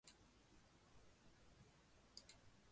北陡镇是是下辖的一个乡镇级行政单位。